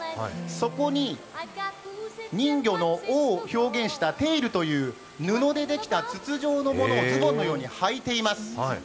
そこに人魚の尾を表現したテイルという布でできた筒状のものをズボンのようにはいています。